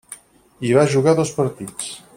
Hi va jugar dos partits.